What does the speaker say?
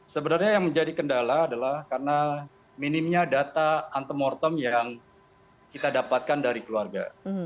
sebenarnya yang menjadi kendala adalah karena minimnya data antemortem yang kita dapatkan dari keluarga